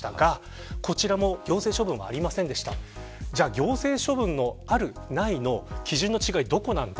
行政処分のある、ないの基準の違いはどこなのか。